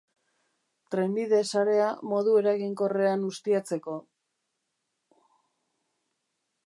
Trenbide sarea modu eraginkorrean ustiatzeko.